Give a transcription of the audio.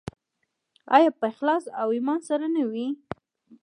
آیا په اخلاص او ایمان سره نه وي؟